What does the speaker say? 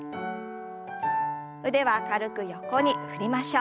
腕は軽く横に振りましょう。